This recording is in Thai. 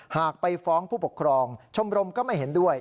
หากไปฟ้องผู้ปกครองชมรมก็ไม่เห็นด้วย